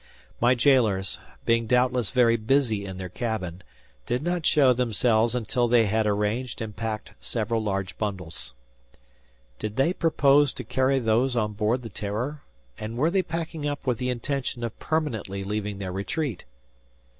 My jailers, being doubtless very busy in their cabin, did not show themselves until they had arranged and packed several large bundles. Did they purpose to carry those on board the "Terror?" And were they packing up with the intention of permanently leaving their retreat?